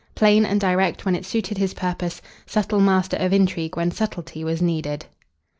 Plain and direct when it suited his purpose; subtle master of intrigue when subtlety was needed.